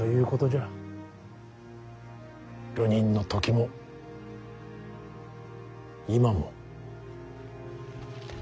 流人の時も今も。